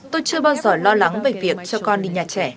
tôi chưa bao giờ lo lắng về việc cho con đi nhà trẻ